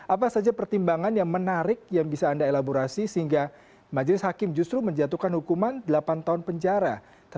apa saja pertimbangan yang menarik yang bisa anda elaborasi sehingga majelis hakim justru menjatuhkan hukuman delapan tahun penjara